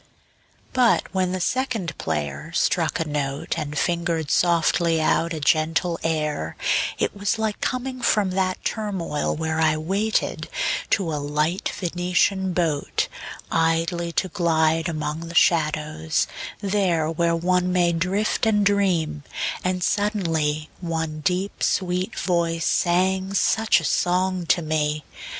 II. But when the second player struck a note And fingered softly out a gentle air It was like coming from that turmoil where I waited, to a light Venetian boat, Idly to glide among the shadows, there Where one may drift and dream; and suddenly One deep sweet voice sang such a song to me.